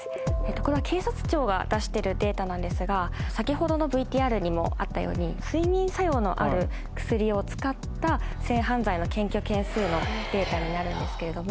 これは警察庁が出してるデータなんですが先ほどのＶＴＲにもあったように睡眠作用のある薬を使った性犯罪の検挙件数のデータになるんですけれども。